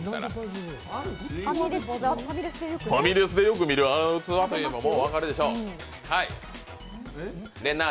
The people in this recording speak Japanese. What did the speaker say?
ファミレスでよく見るあの器といえば、よく分かるでしょ？